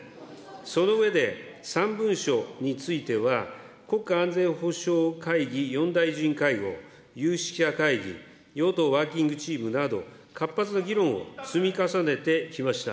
その上で、３文書については、国家安全保障会議４大臣会合、有識者会議、与党ワーキングチームなど、活発な議論を積み重ねてきました。